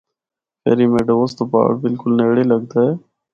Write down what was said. Ferry Meadows تو پہاڑ بلکل نیڑے لگدا ہے۔